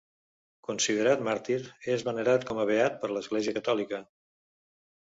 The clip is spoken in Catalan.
Considerat màrtir, és venerat com a beat per l'Església catòlica.